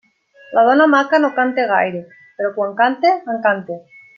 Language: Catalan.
La dona maca no canta gaire, però quan canta, encanta.